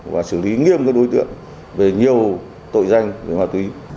và xử lý nghiêm các đối tượng về nhiều tội danh về ma túy